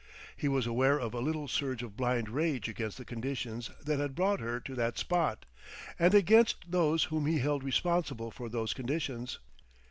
He was aware of a little surge of blind rage against the conditions that had brought her to that spot, and against those whom he held responsible for those conditions.